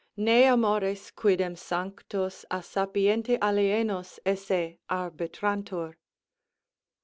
ne amores quidem sanctos a sapiente alienos esse arbitrantur....